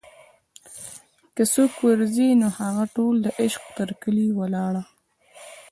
که څوک ور ځي نوهغه ټول دعشق تر کلي ولاړه